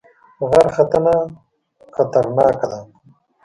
غرختنه خطرناکه ده؟